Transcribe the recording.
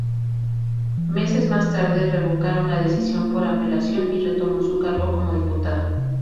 Meses más tarde, revocaron la decisión, por apelación, y retomó su cargo como diputada.